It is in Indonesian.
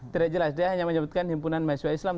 tidak jelas dia hanya menyebutkan himpunan mahasiswa islam